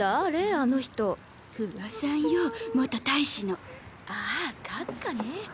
あの人不破さんよ元大使ああ閣下ね